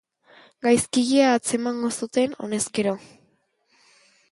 Gaizkilea atzemango zuten, honezkero.